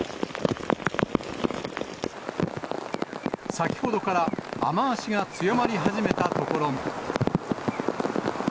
先ほどから雨足が強まり始めた所も。